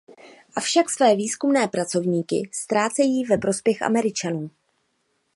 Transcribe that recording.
Avšak své výzkumné pracovníky ztrácejí ve prospěch Američanů.